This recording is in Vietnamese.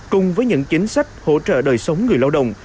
cùng với những chính sách hỗ trợ đời sống người lao động